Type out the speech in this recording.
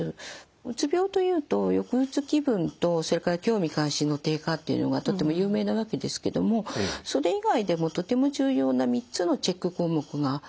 うつ病というと抑うつ気分とそれから興味関心の低下っていうのがとても有名なわけですけどもそれ以外でもとても重要な３つのチェック項目があります。